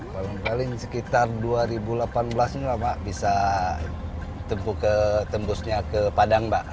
paling paling sekitar dua ribu delapan belas ini bapak bisa tembusnya ke padang mbak